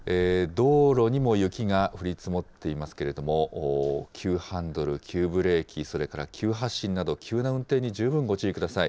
道路にも雪が降り積もっていますけれども、急ハンドル、急ブレーキ、それから急発進など、急な運転に十分ご注意ください。